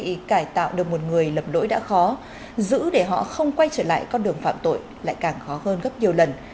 khi cải tạo được một người lầm lỗi đã khó giữ để họ không quay trở lại con đường phạm tội lại càng khó hơn gấp nhiều lần